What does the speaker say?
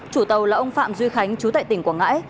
chủ tàu là ông phạm duy khánh chú tại tỉnh quảng ngãi